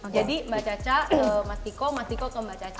jadi mbak caca ke mas tiko mas tiko ke mbak caca